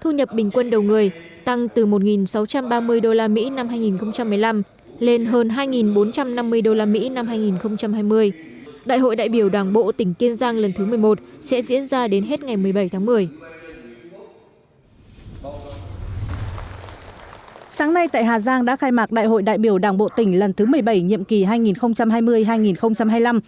thu nhập bình quân đầu người tăng từ một sáu trăm ba mươi usd năm hai nghìn một mươi năm lên hơn hai bốn trăm năm mươi usd năm hai nghìn một mươi năm